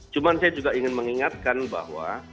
cuma saya juga ingin mengingatkan bahwa